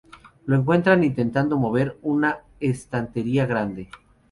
Lo encuentran intentando mover una estantería grande.